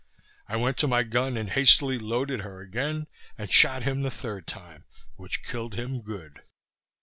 I went to my gun and hastily loaded her again, and shot him the third time, which killed him good.